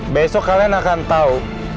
besok kalian akan tau